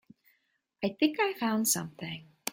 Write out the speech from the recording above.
I think I found something.